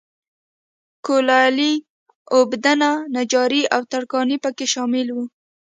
کولالي، اوبدنه، نجاري او ترکاڼي په کې شامل و.